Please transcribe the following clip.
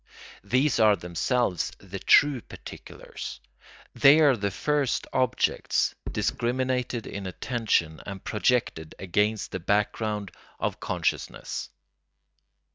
These are themselves the true particulars. They are the first objects discriminated in attention and projected against the background of consciousness.